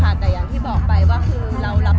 แม็กซ์ก็คือหนักที่สุดในชีวิตเลยจริง